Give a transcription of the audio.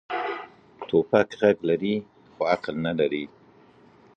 توپک غږ لري، خو عقل نه لري.